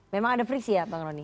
memang ada friksi ya bang rony